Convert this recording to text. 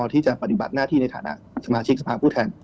ที่จะปฏิบัติหน้าที่ในฐานะสมาชิกสภาพผู้แทน